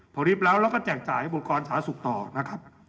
พอริบแล้วเราก็แจ้งจ่ายให้บริการสาธารณสุขต่อนะครับ